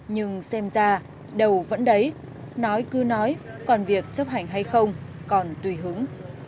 nhưng xem ra đầu vẫn đấy nói cứ nói còn việc chấp hành hay không còn tùy hứng